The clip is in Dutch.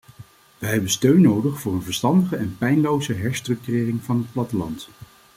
Wij hebben steun nodig voor een verstandige en pijnloze herstructurering van het platteland.